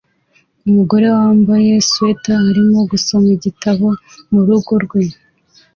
Umugore wambaye swater arimo gusoma igitabo murugo rwe